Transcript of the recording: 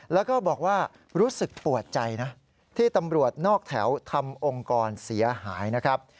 แล้วก็บอกว่ารู้สึกปวดใจนะที่ตำรวจนอกแถวทำองค์กรเสียหายนะครับ